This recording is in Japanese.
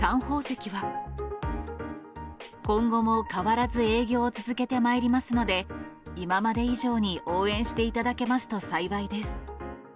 今後も変わらず営業を続けてまいりますので、今まで以上に応援していただけますと幸いです。